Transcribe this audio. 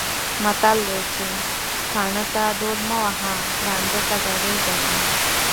متل دی چې: کاڼۀ ته ډول مه وهه، ړانده ته ګډېږه مه.